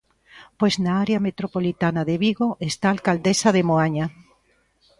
Pois na Área Metropolitana de Vigo está a alcaldesa de Moaña.